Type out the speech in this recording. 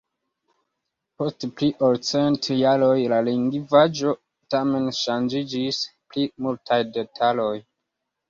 Post pli ol cent jaroj la lingvaĵo tamen ŝanĝiĝis pri multaj detaloj.